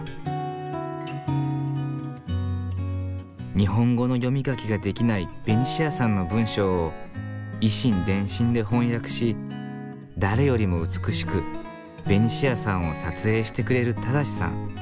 日本語の読み書きができないベニシアさんの文章を以心伝心で翻訳し誰よりも美しくベニシアさんを撮影してくれる正さん。